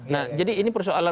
nah jadi ini persoalan